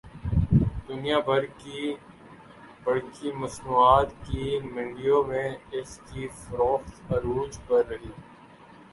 دنیا بھر کی برقی مصنوعات کی منڈیوں میں اس کی فروخت عروج پر رہی